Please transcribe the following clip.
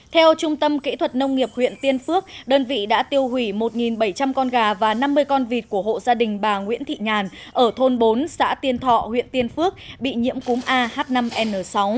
theo trung tâm kỹ thuật nông nghiệp huyện tiên phước đơn vị đã tiêu hủy một bảy trăm linh con gà và năm mươi con vịt của hộ gia đình bà nguyễn thị nhàn ở thôn bốn xã tiên thọ huyện tiên phước bị nhiễm cúm ah năm n sáu